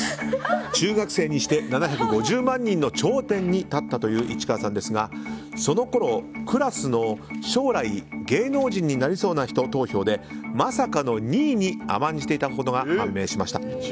中学生にして７５０万人の頂点に立ったという市川さんですがそのころ、クラスの将来芸能人になりそうな人投票でまさかの２位に甘んじていたことが判明しました。